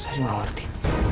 saya juga gak ngerti